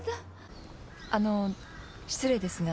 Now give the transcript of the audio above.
あの失礼ですが。